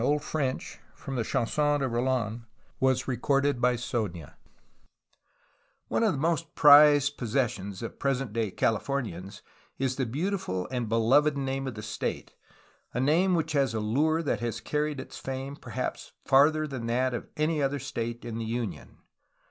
CHAPTER VI ORIGIN AND APPLICATION OF THE NAME CALIFORNIA One of the most prized possessions of present day Cali fornians is the beautiful and beloved name of the state, a name which has a lure that has carried its fame perhaps farther than that of any other state in the Union.